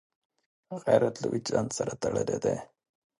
غیرت له وجدان سره تړلی دی